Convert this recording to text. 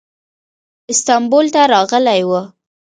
استانبول ته راغلی و.